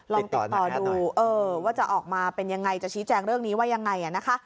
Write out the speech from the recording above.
ลองติดต่อดูว่าจะออกมาเป็นยังไงจะชี้แจงเรื่องนี้ว่ายังไงนะคะ